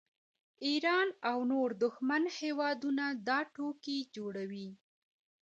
ایران او نور دښمن هیوادونه دا ټوکې جوړوي